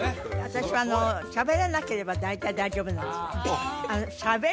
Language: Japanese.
私はしゃべらなければ大体大丈夫なんです